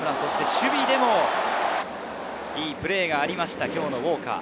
守備でもいいプレーがありました、今日のウォーカー。